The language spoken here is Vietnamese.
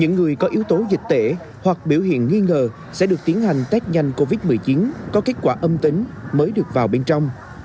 những người có yếu tố dịch tễ hoặc biểu hiện nghi ngờ sẽ được tiến hành test nhanh covid một mươi chín có kết quả âm tính mới được vào bên trong